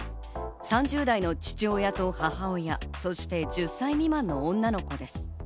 ３０代の父親と母親、そして１０歳未満の女の子です。